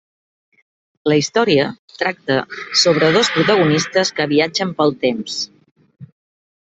La història tracta sobre dos protagonistes que viatgen pel temps.